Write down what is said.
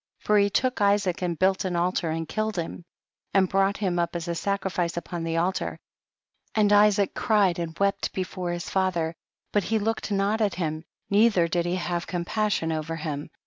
for he took Isaac and built an altar and killed him, and brought him up as a sacrifice upon the altar, and Isaac cried and wept before his father, but he looked not at him, neither did he have compas sion over him.